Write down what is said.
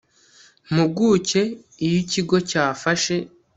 mpuguke iyo ikigo cyafashe